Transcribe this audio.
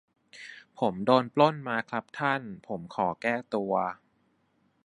ผมโดนปล้นมาครับท่าน ผมขอแก้ตัว